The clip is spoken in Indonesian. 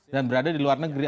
dan berada di luar negeri